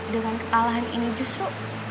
dengan kepalaan ini justru